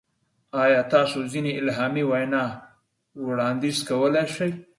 ایا تاسو ځینې الهامي وینا وړاندیز کولی شئ؟